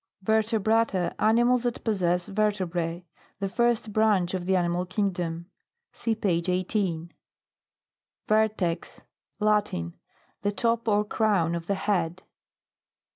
VERTEBRATA. Animals that possess vertebrae. The first branch of the Animal kingdom. (See page 18.) VERTEX. Latin. The top or crown of the head.